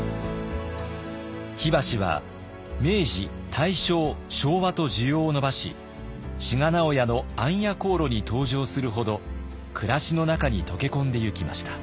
火箸は明治大正昭和と需要を伸ばし志賀直哉の「暗夜行路」に登場するほど暮らしの中に溶け込んでいきました。